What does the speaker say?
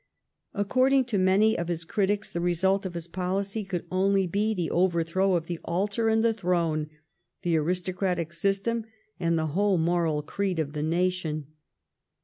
According to many of his critics, the result of his policy could only be the overthrow of the altar and the throne, the aristocratic system and the whole moral creed, of the nation.